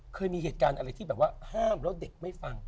เคยมีเหตุการณ์อะไรที่แบบว่าห้ามแล้วเด็กไม่ฟัง